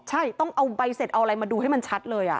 ใช่ต้องเอาใบเสร็จเอาอะไรมาดูให้มันชัดเลย